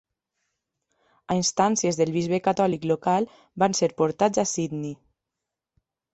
A instàncies del bisbe catòlic local, van ser portats a Sydney.